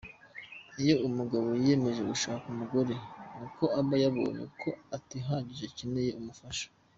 Iyo umugabo yiyemeje gushaka umugore ni uko aba yabonye ko atihagije akeneye umufasha.